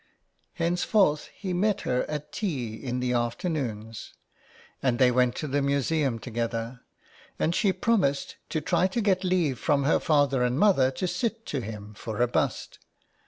Henceforth he met her at tea in the afternoons, and they went to the museum together, and she promised to try to get leave from her father and mother to sit to him for a bust.